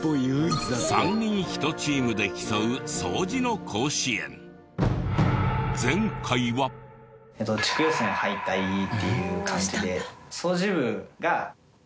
３人１チームで競う掃除の甲子園。っていう感じで。